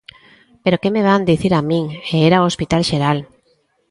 ¿Pero que me van dicir a min e era o hospital xeral?